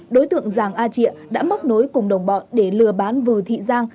đối tượng giàng a triệua đã móc nối cùng đồng bọn để lừa bán vừa thị giang